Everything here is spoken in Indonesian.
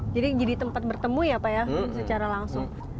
jadi jadi tempat bertemu ya pak ya secara langsung